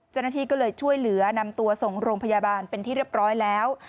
เจ้าหน้าที่ก็เลยช่วยเหลือนำตัวส่งโรงพยาบาลเป็นที่เรียบร้อยแล้ว